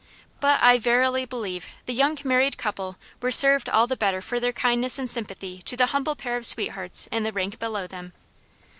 But, I verily believe, the young married couple were served all the better for their kindness and sympathy to the humble pair of sweethearts in the rank below them.